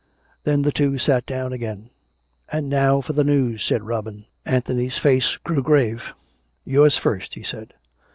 Then the two sat down again. " And now for the news," said Robin. Anthony's face grew grave. " Yours first," he said.